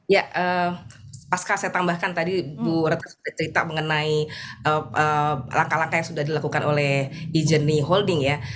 ya pasca saya tambahkan tadi bu retno sempat cerita mengenai langkah langkah yang sudah dilakukan oleh ejeny holding ya